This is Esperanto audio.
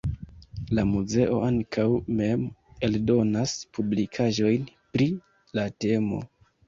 La muzeo ankaŭ mem eldonas publikaĵojn pri la temo.